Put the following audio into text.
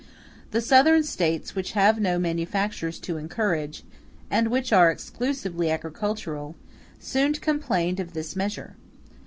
The Southern States, which have no manufactures to encourage, and which are exclusively agricultural, soon complained of this measure.